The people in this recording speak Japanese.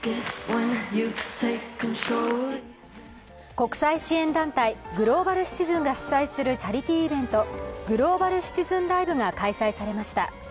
国際支援団体グローバル・シチズンが主催するチャリティーイベント、グローバル・シチズン・ライブが開催されました。